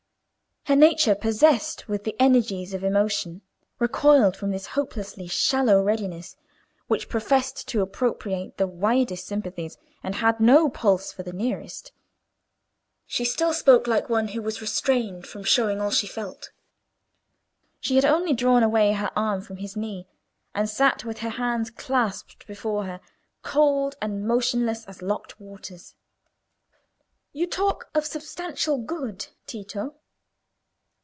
Her nature, possessed with the energies of strong emotion, recoiled from this hopelessly shallow readiness which professed to appropriate the widest sympathies and had no pulse for the nearest. She still spoke like one who was restrained from showing all she felt. She had only drawn away her arm from his knee, and sat with her hands clasped before her, cold and motionless as locked waters. "You talk of substantial good, Tito!